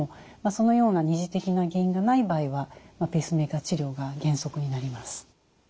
そのような二次的な原因がない場合はペースメーカー治療が原則になります。